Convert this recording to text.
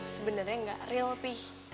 sebenernya gak real pi